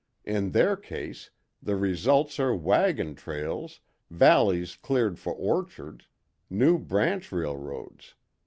In their case, the results are waggon trails, valleys cleared for orchards, new branch railroads.